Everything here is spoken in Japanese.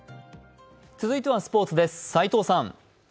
続いてはスポーツです、齋藤さん。